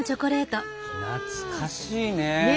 懐かしいね。ね！